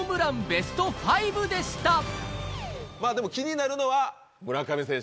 ベスト５でしたまぁでも気になるのは。